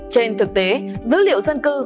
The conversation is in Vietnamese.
trên thực tế dữ liệu dân cư